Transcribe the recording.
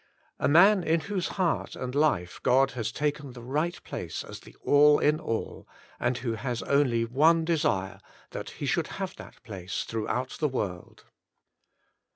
A man in whose heart and life God has taken the right place as the All in All, and who has only one desire, that He should have that place throughout the world.